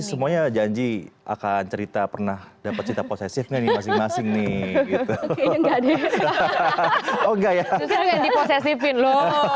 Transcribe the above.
semuanya janji akan cerita pernah dapat cerita posesifnya nih masing masing nih gitu